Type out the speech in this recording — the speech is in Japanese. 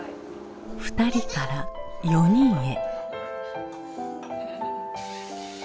２人から４人へ。